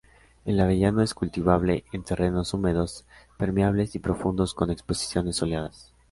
El avellano es cultivable en terrenos húmedos, permeables y profundos con exposiciones soleadas.